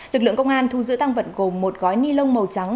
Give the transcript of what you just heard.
lực lượng công an thu giữ tăng vật gồm một gói ni lông màu trắng